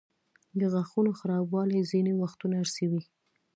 د غاښونو خرابوالی ځینې وختونه ارثي وي.